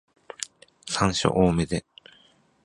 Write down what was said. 山椒多めで